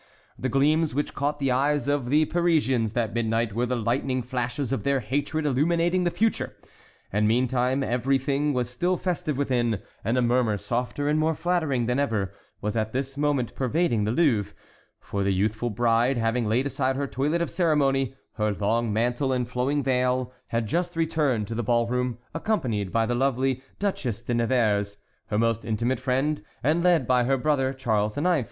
The gleams which caught the eyes of the Parisians that midnight were the lightning flashes of their hatred illuminating the future. And meantime everything was still festive within, and a murmur softer and more flattering than ever was at this moment pervading the Louvre, for the youthful bride, having laid aside her toilet of ceremony, her long mantle and flowing veil, had just returned to the ball room, accompanied by the lovely Duchesse de Nevers, her most intimate friend, and led by her brother, Charles IX.